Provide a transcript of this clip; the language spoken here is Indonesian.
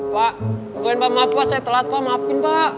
pak bukan pak maaf pak saya telat pak maafin pak